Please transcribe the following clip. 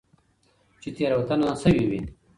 چې تيروتنه شوي وي